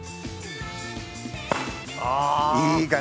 いい感じ！